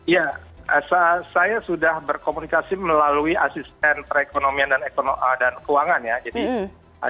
ya saya sudah berkomunikasi melalui asisten perekonomian dan keuangan ya